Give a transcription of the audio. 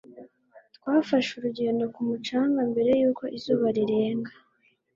Twafashe urugendo ku mucanga mbere yuko izuba rirenga.